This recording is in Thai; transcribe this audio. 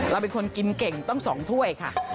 เราเป็นคนกินเก่งตั้ง๒ถ้วยค่ะ